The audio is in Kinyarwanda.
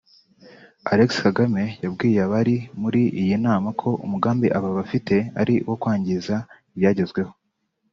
Alexis Kagame yabwiye abari muri iyi nama ko umugambi aba bafite ari uwo kwangiza ibyagezweho